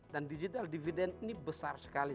dan digital dividend ini besar sekali